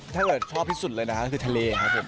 ถ้าเกิดชอบที่สุดเลยนะฮะก็คือทะเลครับผม